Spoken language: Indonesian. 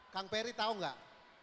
kang peri tau gak